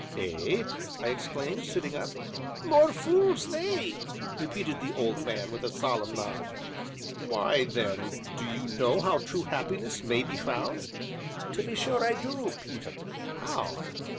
"Eh?" I exclaimed, sitting up. "More fules they!" repeated the old man with a solemn nod. "Why, then, do you know how true happiness may be found?' "To be sure I du, Peter." "How?"